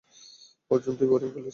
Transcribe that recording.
অর্জুন, তুই boring police.